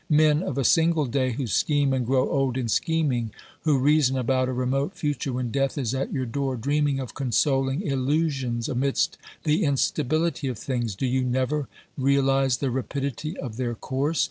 — Men of a single day, who scheme and grow old in scheming, who reason about a remote future when death is at your door, dreaming of consoling illusions amidst the instability of things, do you never realise the rapidity of their course